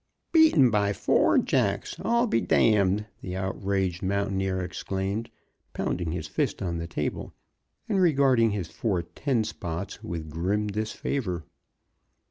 "Beaten by four jacks! I be d d!" the outraged mountaineer exclaimed, pounding his fist on the table and regarding his four ten spots with grim disfavor.